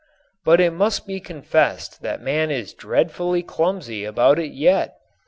But it must be confessed that man is dreadfully clumsy about it yet.